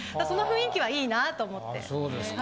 その雰囲気はいいなと思って。